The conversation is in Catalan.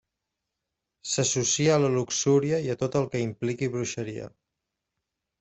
S'associa a la luxúria i a tot el que impliqui bruixeria.